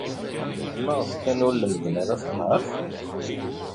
Maɣef kan ur lemmden ara tanhaṛt?